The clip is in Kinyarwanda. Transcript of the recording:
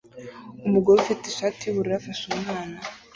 Umugore ufite ishati yubururu afashe umwana